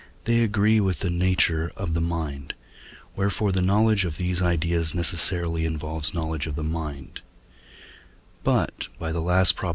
they agree with the nature of the mind; wherefore the knowledge of these ideas necessarily involves knowledge of the mind; but (by the last Prop.)